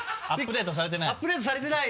アップデートされてない？